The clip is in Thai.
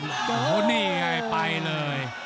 โอ้โหนี่ไงไปเลย